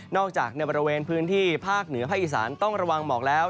จากในบริเวณพื้นที่ภาคเหนือภาคอีสานต้องระวังหมอกแล้ว